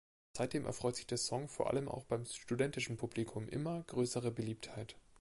Seitdem erfreut sich der Song vor allem auch beim studentischen Publikum immer größerer Beliebtheit.